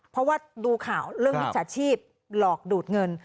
เพราะว่าดูข่าวเรื่องมิจฉาชีพหลอกดูดเงิน